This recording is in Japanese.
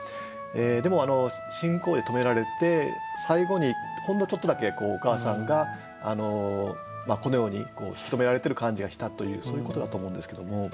でも信号で止められて最後にほんのちょっとだけお母さんがこの世に引き止められてる感じがしたというそういうことだと思うんですけども。